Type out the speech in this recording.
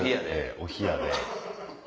お冷やで。